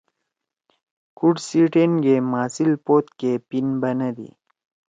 کُوٹ سی ٹِن گے ماسیِل پوت کے پیِن بنَدی۔